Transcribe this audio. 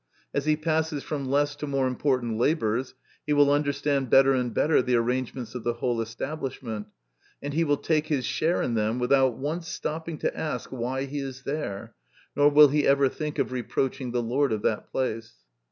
As he passes from less to more important labours, he will understand better and better the arrangements of the whole establishment ; and he will take his share in them without once stopping to ask why he is there, nor will he ever think of reproaching the lord of that place.